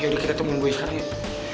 yaudah kita temuin gue sekarang yuk